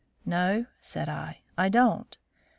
"No," said I, "I don't.